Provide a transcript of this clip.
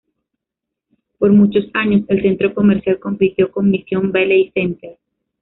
Por muchos años el centro comercial compitió con Mission Valley Center.